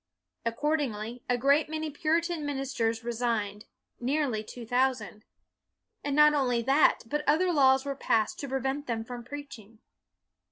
Accordingly, a great many Puritan ministers resigned, nearly two thousand. And not only that, BUNYAN 265 but other laws were passed to prevent them from preaching.